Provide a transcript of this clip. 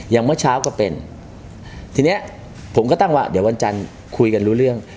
เมื่อเช้าก็เป็นทีนี้ผมก็ตั้งว่าเดี๋ยววันจันทร์คุยกันรู้เรื่อง